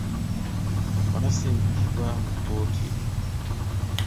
Baasindikibwa mu kkooti.